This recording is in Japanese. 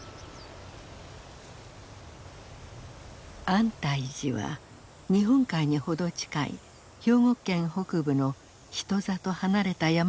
安泰寺は日本海に程近い兵庫県北部の人里離れた山の中にあります。